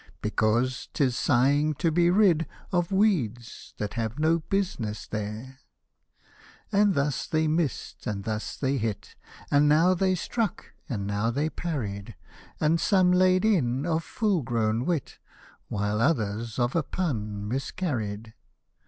" Because 'tis sighing to be rid Of weeds, that " have no business there !" And thus they missed and thus they hit. And now they struck and now they parried ; And some laid in of full grown wit. While others of a pun miscarried.